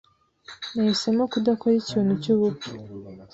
Nahisemo kudakora ikintu cyubupfu.